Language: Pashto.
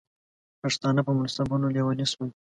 پښتانه په منصبونو لیوني شول.